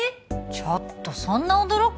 ちょっとそんな驚く？